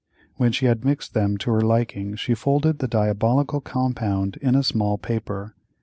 When she had mixed them to her liking she folded the diabolical compound in a small paper.